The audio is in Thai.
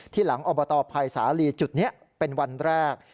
หลังอบตภัยสาลีจุดนี้เป็นวันแรก